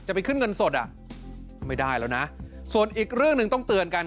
ไปขึ้นเงินสดอ่ะไม่ได้แล้วนะส่วนอีกเรื่องหนึ่งต้องเตือนกัน